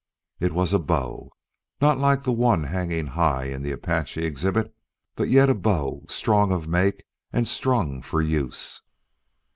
It was a bow not like the one hanging high in the Apache exhibit, but yet a bow strong of make and strung for use.